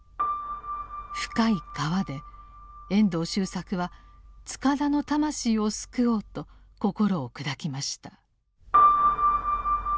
「深い河」で遠藤周作は塚田の魂を救おうと心を砕きました。